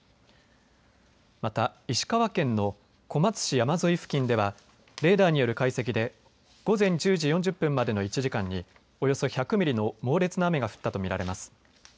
また、石川県の小松市山沿い付近ではレーダーによる解析で午前１０時４０分までの１時間におよそ１００ミリの猛烈な雨が降ったと見られます。